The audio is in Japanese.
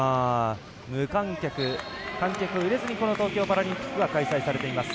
無観客、観客を入れずにこの東京パラリンピックは開催されています。